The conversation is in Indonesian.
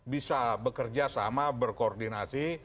bisa bekerja sama berkoordinasi